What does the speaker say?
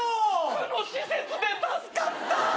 区の施設で助かった！